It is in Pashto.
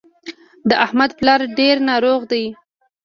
د احمد پلار ډېر ناروغ دی.